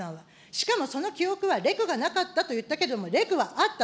しかもその記憶はレクがなかったと言ったけども、レクはあった。